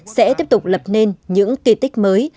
sẽ tiếp tục lập nên những kỳ tích mới